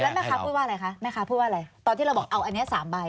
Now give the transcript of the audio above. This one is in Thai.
แล้วแม่ค้าพูดว่าอะไรคะตอนที่เราบอกเอาอันนี้๓ใบ